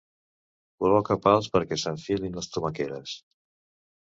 Col·loca pals perquè s'enfilin les tomaqueres.